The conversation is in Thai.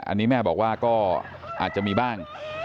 อันนี้แม่บอกว่าก็อาจจะมีบ้าง